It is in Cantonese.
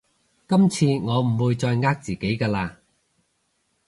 今次我唔會再呃自己㗎喇